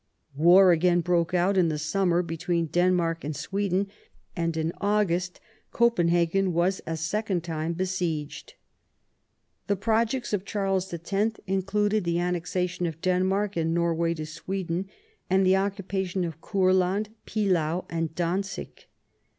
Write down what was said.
War again broke out in the summer between Denmark and Sweden, and in August Copenhagen was a second time besieged. The projects of Charles X. included the annexation of Denmark and Norway to Sweden, and the occupation of Courland, Pilau, and Dantzig.